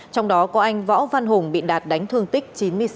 trong đó có anh võ văn hùng bị đạt đánh thương tích chín mươi sáu